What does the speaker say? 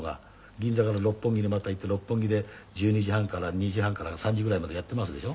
銀座から六本木にまた行って六本木で１２時半から２時半か３時ぐらいまでやってますでしょ。